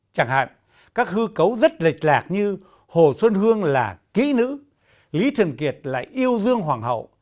chẳng hạn các hư cấu rất lệch lạc như hồ xuân hương là kỹ nữ lý thường kiệt lại yêu dương hoàng hậu